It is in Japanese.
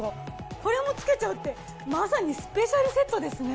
これも付けちゃうってまさにスペシャルセットですね。